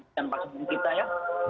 diwaspadai pasangan kita ya